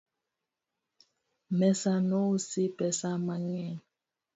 Mesa nousi pesa mang'eny